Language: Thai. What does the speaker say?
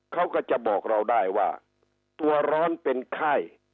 เขาก็จะบอกเราได้ว่าตัวร้อนเป็นไข้